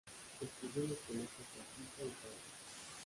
Estudió en los colegios Batista y Palas.